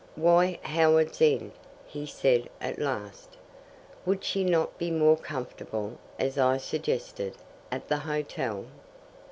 "Why Howards End?" he said at last. "Would she not be more comfortable, as I suggested, at the hotel?"